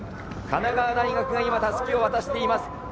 神奈川大学が今、襷を渡しています。